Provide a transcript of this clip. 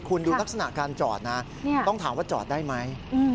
คุณดูลักษณะการจอดนะต้องถามว่าจอดได้ไหม